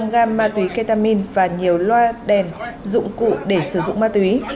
hai một trăm hai mươi năm gam ma túy ketamin và nhiều loa đèn dụng cụ để sử dụng ma túy